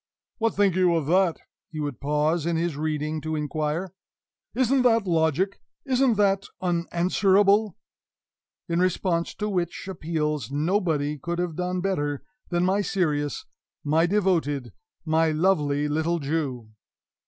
"What think you of that?" he would pause in his reading to inquire. "Isn't that logic? Isn't that unanswerable?" In responding to which appeals nobody could have done better than my serious, my devoted, my lovely little Jew.